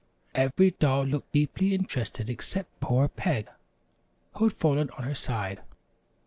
Every doll looked deeply interested except poor Peg who had fallen on her side.